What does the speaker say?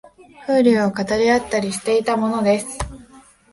風流を語り合ったりしていたものです